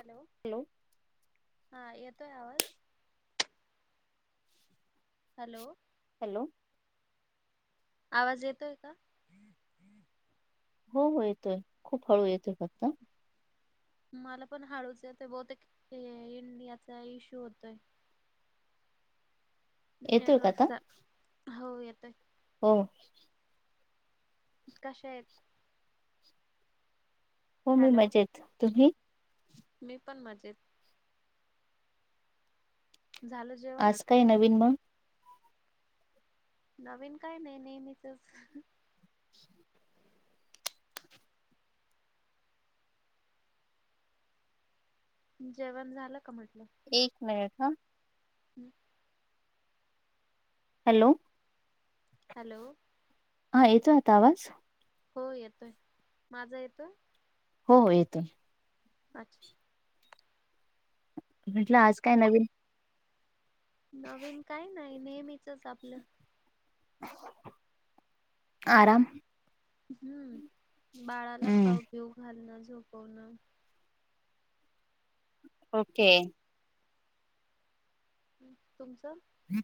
Hello. Hello. हा येतोय आवाज. हॅलो. हॅलो. आवाज येतोय का? हो हो येतोय खूप हळू येतोय फक्त मला पण हाळूच येत बहुते इंडियाचा इश्यू होतोय. येतोय का नेटवर्क आता तर हो येतोय. हो. कशा आहेत. हो मी हॅलो मजेत तुम्ही? मी पण मजेतेत. झालं. जेवण आज काय नवीन मग नवीन काय नाही नेहमीच जेवण झालं का म्हटलं. एक मिनिट ह. ठी हॅलो. हॅलो. हा याचा आता आवाज हो येतोय माझा येतोय. हो येतो. अच्छा. म्हटलं आज काय नवीन नवीन काही नाही. नेहमीचच आपलं. [unintelligible] आराम हम्म बाळाला हम्म खाऊ पिऊ घालणं झोपवणं. ओके. तुमचं? ह.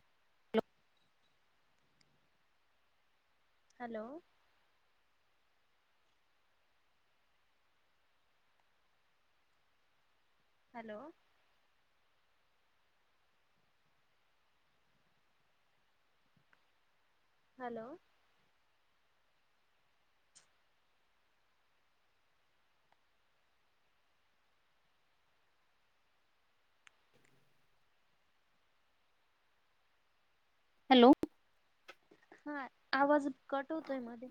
हॅलो. हॅलो. हॅलो. हॅलो. हा आवाज कट होतोय मध्ये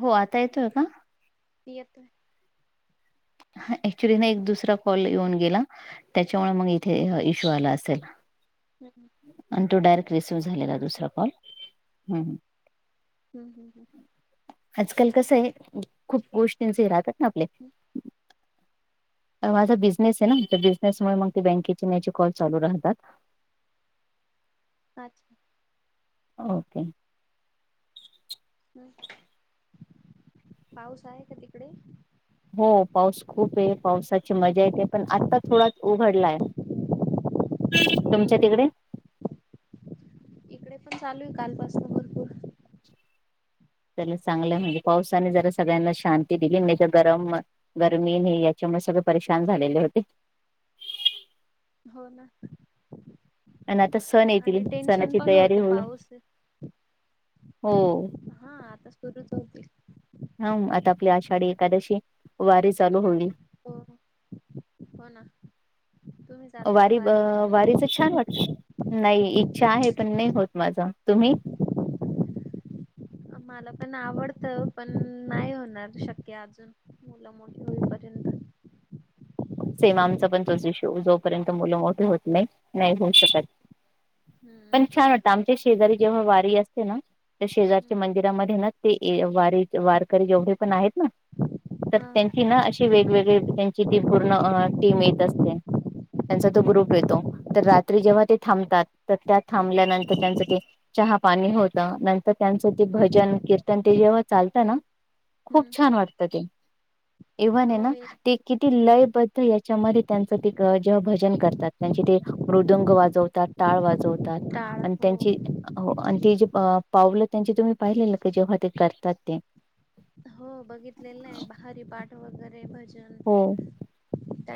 हो आता येतोय का? नियत ह ऍक्च्युली ना एक दुसरा कॉल येऊन गेला. त्याच्यामुळे मग इथे इश्यू आला असेल हम् आणि तो डायरेक्ट रिसिव्ह झालेला दुसरा कॉल ह हम् हम् हं आजकाल कसं आहे खूप ठीक गोष्टीचे राहतात ना आपले हम्म माझा बिझनेस आहे ना त्या बिझनेसमुळे मग ते बँकेची नची कॉल चालू राहतात अच्छा ओके हम पाऊस आहे का तिकडे? हो पाऊस खूप आहे. पावसाची मजा येते. पण आता थोडाच उघडलाय. तुमच्या हम्म हम्म तिकडे? इकडे पण चालू आहे. कालपासून भरपूर च चांगलं म्हणजे पावसाने जरा सगळ्यांना शांती दिली नाही तर गरम गरमी ने याच्यामुळे सगळे परेशान झालेले होते. हो ना आणि आता सण आणि येतील. टेन्शन सणाची पण तयारी होतं होईल. पाऊस हो हा आता सुरूच होतील. हा आता आपली आषाढी एकादशी. वारी चालू होने. हो हो. हो ना, तुम्ही जाता का वारी अ वारीला वारीच छान वाटत. कधी? नाही. इच्छा आहे पण नाही होत माझा. तुम्ही? मला पण आवडत. पण नाही होणार शक्य अजून मुलं मोठी होईपर्यंत. सेम आमचा पण तोच विषय जोपर्यंत मुलं मोठे होत नाही. नाही होऊ शकत पण हम्म छान वाटतं. आमच्या शेजारी जेव्हा वारी असते ना, त्या शेजारीच्या हम्म मंदिरामध्ये ना ते वारी वारकरी जेवढे पण आहेत ना तर हा त्यां ची ती ना अशी वेगवेगळी त्यांची ती पूर्ण टीम येत असते. त्यांचा तो ग्रुप येतो. तर रात्री जेव्हा ते थांबतात. तर त्या हम्म थांबल्यानंतर त्यांच ते चहा-पाणी होत. नंतर त्यांचं ते भजन कीर्तन ते जेव्हा चालतं ना. खूप हम्म छान वाटत. ते इव्हन आहे हो ना एक ते किती लय पण याच्यामध्ये त्यांच ते जेव्हा भजन करतात त्यांचे ते मृदंग वाजवतात. टाळ वाजवतात टाळ आणि हो त्यांची हो आणि ते जे पावलं त्यांचे तुम्ही पाहिलेलं का जेव्हा ते करतात ते. हो, बघितलेलं आहे. हरीपाठ वगैरे भजन हो.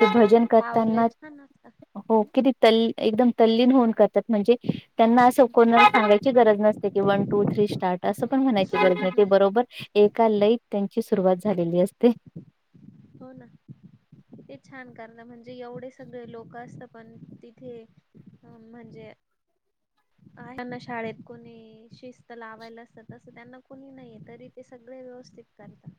ते भजन पावले करताना छान असता. हो किती त एकदम तल्लीन होऊन करतात. म्हणजे, त्यांना असं कोणा सांगायची गरज नसते की वन टू थ्री स्टार्ट असं पण म्हणायची गरज नाही ते बरोबर एका लयत त्यांची सुरुवात झालेली असते. हो ना, ते छान करण. म्हणजे एवढे सगळे लोक असत पण तिथे हम म्हणजे, त्यांना शाळेत कोणी शिस्त लावायला असतात. तसं त्यांना कोणी नाहीये तरी ते सगळे व्यवस्थित करतात.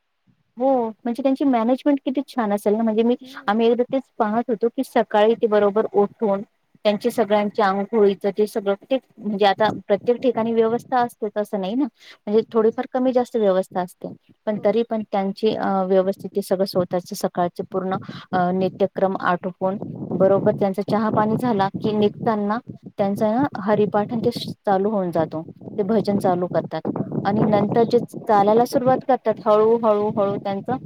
हो, म्हणजे त्यांची मॅनेजमेंट किती छान असेल. ना म्हणजे मी हम्म आम्ही एक तेच पाहत होतो. की सकाळी ते बरोबर उठून त्यांचे सगळ्यांच्या अंगोळीच जे सगळं म्हणजे आता प्रत्येक ठिकाणी व्यवस्था असते तस नाही ना. म्हणजे हम्म थोडीफार कमी जास्त व्यवस्था असत्या. पण हो तरी पण त्यांची व्यवस्थित सगळं स्वतःच सकाळचे पूर्ण अ नित्यक्रम आटोपून. बरोबर त्यांच चहा-पाणी झाला की निघताना त्यांच ना हरिपाठण ते चालू होऊन जातो. ते भजन चालू करतात. आणि नंतर जे चालायला सुरुवात करतात हळू हळू हळू त्यांचा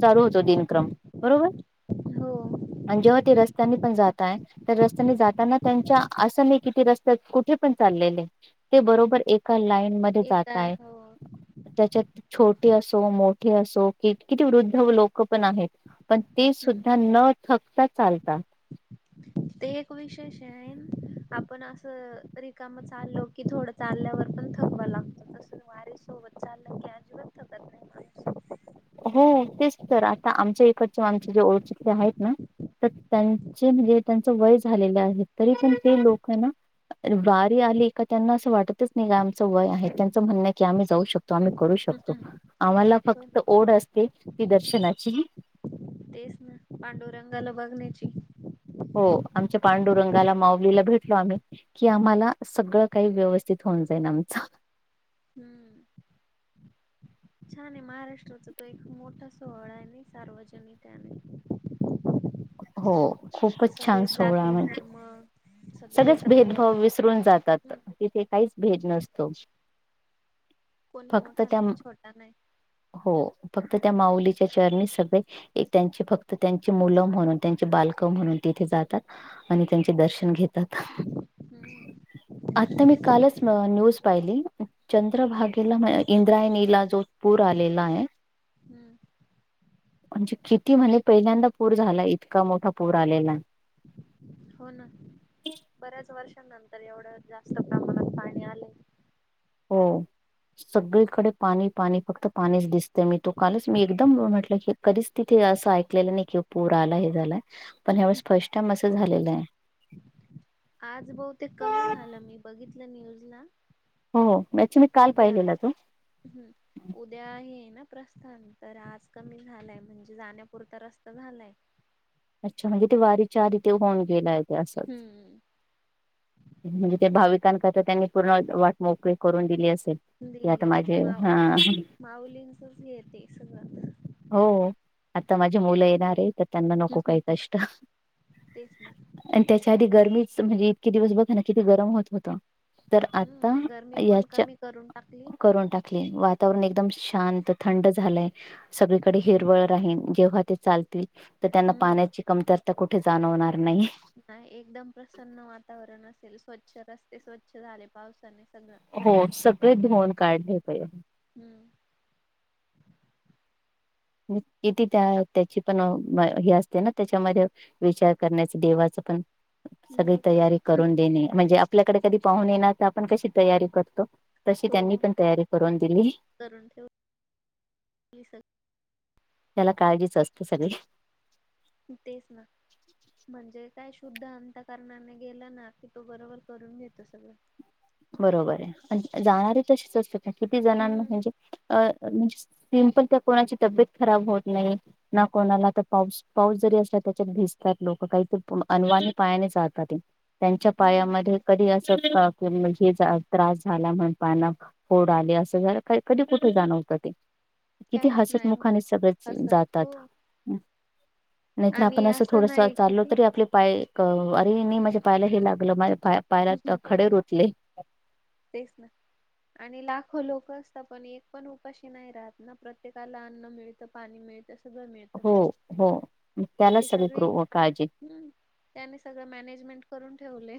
चालू होतो दिनक्रम बरोबर, हो. आणि जेव्हा ते रस्त्यानी पण जात्यात. तर रस्त्याने जाताना. त्यांच्या असं नाही कि ते रस्त्यात कुठे पण चाललेले आहे. ते बरोबर एका लाईन मध्ये एका जातय. हो त्याच्यात छोटे असो मो असो कि किती वृद्ध लोक पण आहेत पण ते हम्म सुद्धा न थक चालत ते एक विशेष आहे आपण असं रिकाम चालो की थोडं चालल्यावर पण थकवा लागत तस वारी सोबत चाल की अजिबात थकत नाही माणूस हो तेच तर आता आमच्या इकडचे आमचे जे ओळखतले आहेत ना तर त्यांचे म्हणजे त्यांच वय झालेलं आहे तरी पण ते लोक ना वारी आली का त्यांना असं वाटतच नाही का आमचं वय आहे त्यांचं म्हणणं आहे की आम्ही जाऊ शकतो तो आम्ही करू शकतो आम्हाला हो फक्त ना ओढ असते ती दर्शनाची तेच ना पांडुरंगाला बघण्याची हो आमच्या पांडुरंगाला माऊलीला भेटलो आम्ही कि आम्हाला सगळं काही व्यवस्थित होऊन जाईल आमच हम्म छान आहे महाराष्ट्राचा तो एक मोठा सोहळा आहे नाही सार्वजनिक आहेने हो खूपच छान सोहळा म्हणजे मग सगळेच भेदभाव विसरून जातात तिथे काहीच भेद नसतो कोणी फक्त मोठा त्या नाही छोटा नाही हो फक्त त्या माउलीच्या चरणी सगळे एक त्यांची फक्त त्यांची मुलं म्हणून त्यांचे बालकं म्हणून तिथे जातात आणि त्यांचे दर्शन घेत हम्म आता मी कालच न्यूज पाहिली हम्म चंद्रभागेला म्ह इंद्रायणीला जो पूर आलेला आहे हम्म म्हणजे किती म्हले पहिल्यांदा पूर झाला इतका मोठा पूर आलेला हो ना बऱ्याच वर्षांनंतर तर एवढं जास्त प्रमाणात पाणी आले हो सगळीकडे पाणी पाणी फक्त पाणीच दिसत मी तो कालच मी एकदम म्हटलं की कधीच तिथे असं ऐकलेलं नाही कि पुरा आला हे झालाय पण ह्यावेेळेस फर्स्ट टाइम असं झालेलं आहे आज बऊु ते कमी झालं मी बघितलं न्यूजला हो या मी काल उद्या पाहिलेला तू हम्म उद्या आहे ना प्रस्थान तर आज कमी झालंय म्हणजे जाण्यापुरता रस्ता झालाय अच्छा म्हणजे ते वारी चारी तेे होन गेलाय असं हम्म म्हणजे ते भाविकांकर तर त्यांनी पूर्ण वाट मोकळी करून दिली असेल की आता दिली माझे माऊ हा माऊलींचच घेते सुरवात हो आता माझी मुलं येणार आहे तर त्यांना नको काही कष्ट तेच ना आणि त्याच्या आधी गरमीच म्हणजे इतके दिवस बघा ना कि गरम होत होत तर आता हम्म गरमी पण याच्या कमी करून टाकली करून टाक वातावरण एकदम शांत थंड झालंय सगळीकडे हिरवळ राहीन जेव्हा ते चालतील तर त्यांना हम्म पाण्याची कमतरता कुठे जाणवणार नाही नाही एकदम प्रसन्न वातावरण असेल स्वच्छ रस्ते स्वच्छ झाले पावसाने सगळं हो सगळे धोन काढले प हम्म किथ त्या आप त्याची पण हे अस ते ना त्याच्यामध्ये विचार करण्याच देवाचं पण सगळी मग तयारी करून देणे म्हणजे आपल्याकडे कधी पाहून येणार तर आपण कशी तयारी करतो तशी हो त्यांनी पण तयारी करून दिली करून ठेव त्याला काळजीच असतं सगळे तेच ना म्हणजे काय शुद्ध अंतकारणाने गेला ना की तो बरोबर करून घेतो सगळं बरोबर आहे जाणारी तशीच असते का किती जणांना हम्म म्हणजे अ म्हणजे सम पण त्या कोणाची तब्येत खराब होत नाही ना कोणाला तर पाऊस पाऊस जरी असला त्याच्यात भिजतात लोक काहीत अन्वाने पायाने जचालतात ते त्यांच्या हम्म पायामध्ये कधी असत का क त्रास झाला म्हण पाना फोड आले असं झा कधी कुठे जाण होतं ते किती काहीच हसत नाही होत मुखाने सगळ हसत जातात हो नाहीतर आणि आपण असं थोडस नाही कि चालो ती तरी आपले पाय अरे नाही माझ्या पायला हे लागलंझ पा पायरत खडे रोतले तेच ना आणि लाखो लोक असतात पण एक पण उपाशी नाही राहत ना प्रत्येकाला अन्न मिळतं पाणी मिळतं स मि हो हो त्यालाच सगळी ग्र काळजी हम्म त्याने सगळं मॅनेजमेंट करून ठेवले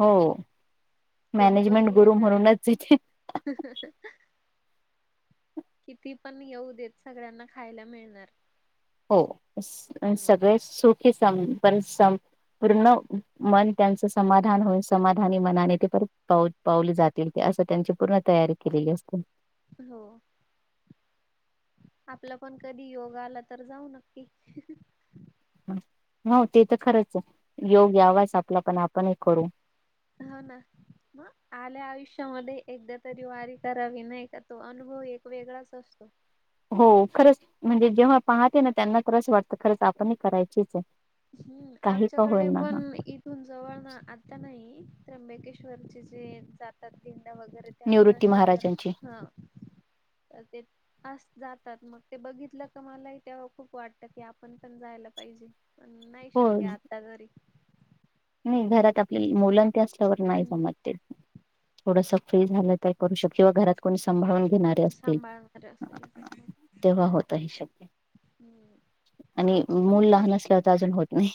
हो मॅनेजमेंट गुरु म्हणूनच तिथे ह किती पण येऊ देत सगळ्यांना खायला मिळणार हो हम्म सगळे सुखे सम बरेच सम पूर्ण मन त्यांचं समाधान होईन समाधानी मनाने ते परत पा पावली जातील की असं त्यांची पूर्ण तयारी केलेली असते हो आपलं पण कधी योग आला तर जाऊ नक्की हो ते तर खरंच आहे योग यावास आपला पण आपणही करू होा ना म आल्या आयुष्यामध्ये एकदा तरी वारी करावी नाही का तो अनुभव एक वेगळाच असतो हो खरंच म्हणजे जेव्हा पाहते ना त्यांना खरच वाटतं खरंच आपणही करायचीच आहे हम्म काही का आमच्याकडे होईना पण हा इ तु जवळ ना आता नाही त्र्यंबकेश्वरचे जे जातात पंडा वगैरे ते निवृत्ती आमचर महाराजांची हा तर ते अस जातात मग ते बघितलं का मलाही तेव्हा खूप वाटतं की आपण पण जायला पाहिजे पण नाही हो शक्य आता घरी नाही घरात आपल्या मुलंं ते असल्यावर नाही हम्म जमत थोडस फ्री झालं का करू शकत किंवा घरात कोणी सांभाळून घेणार सांभाळणार असेल तर मग तेव्हा होतही शक्य हम्म आणि मूल लहान असल्यावर तर अजून होत नाही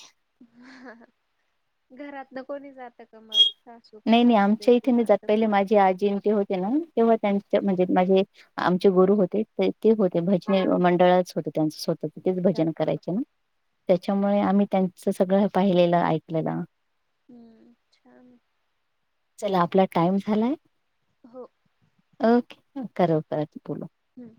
घरात न कोणी जात का मग सासू नाही नाही सासरे आमच्या किंवा इथे जात असं पहिले कोणी? माझी आजी ते होते ना तेव्हा हम्म त्यांच्या म्हणजे म्हणजे आमचे गुरु होते ते होते भजनी मंडळच होते त्यांच स्त तिेच अच्छा भजन हा हा. करायचे ना हम्म त्याच्यामुळे आम्ही त्यांचं सगळं पाहिलेलं ऐकलेलं अछ्या चला आपला टाइम झालाय हो ओके कव कर बोल हम्म